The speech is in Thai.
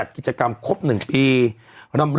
อ่าใช่นะ